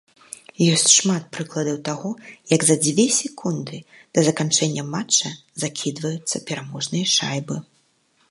Ёсць шмат прыкладаў таго, як за дзве секунды да заканчэння матча закідваюцца пераможныя шайбы.